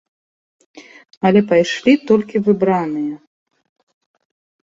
Але пайшлі толькі выбраныя.